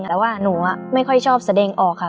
แต่ว่าหนูไม่ค่อยชอบแสดงออกค่ะ